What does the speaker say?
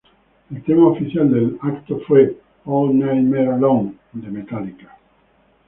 El tema oficial del evento fue ""All Nightmare Long"" de Metallica.